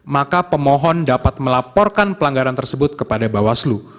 maka pemohon dapat melaporkan pelanggaran tersebut kepada bawaslu